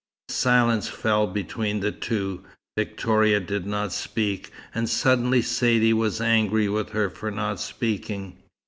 Silence fell between the two. Victoria did not speak; and suddenly Saidee was angry with her for not speaking.